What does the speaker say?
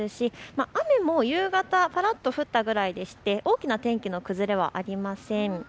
雨も夕方、このあとぱらっと降ったぐらいで大きな天気の崩れはありません。